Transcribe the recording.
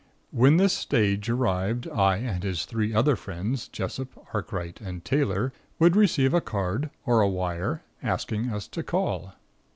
When this stage arrived, I and his three other friends Jessop, Arkright, and Taylor would receive a card or a wire, asking us to call.